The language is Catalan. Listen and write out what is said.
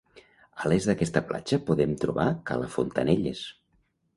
A l'est d'aquesta platja podem trobar Cala Fontanelles.